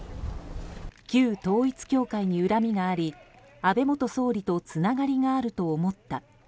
旧統一教会に恨みがあり安倍元総理とつながりがあると思った。